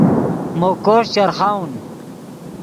مو کوݰ چرخاؤن